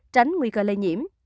tránh nguy cơ lây nhiễm